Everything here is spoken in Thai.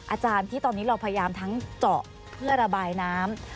อาจารย์ที่ตอนนี้เราพยายามทั้งเจาะเพื่อระบายน้ำ